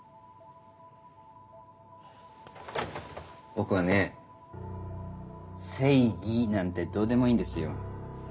僕はね正義なんてどうでもいいんですよ。